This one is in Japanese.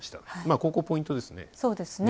ここポイントですね。